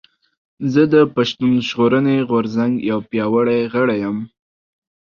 زه د پشتون ژغورنې غورځنګ يو پياوړي غړی یم